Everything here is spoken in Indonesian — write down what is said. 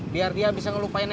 biar dia bisa ngelupain yang aneh